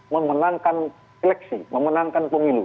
memenangkan seleksi memenangkan pemilu